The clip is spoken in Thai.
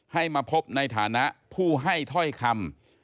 ให้มาพบในฐานะผู้ให้ถ้อยคำ